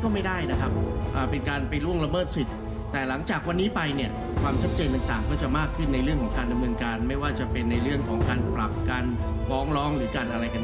ไม่ว่าจะเป็นในเรื่องของการปรับการบองร้องหรือการอะไรกันก็ต่างนะครับ